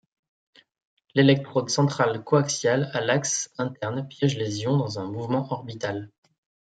L'électrode centrale coaxiale à l'axe interne piège les ions dans un mouvement orbitale.